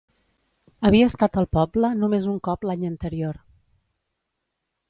Havia estat al poble només un cop l'any anterior.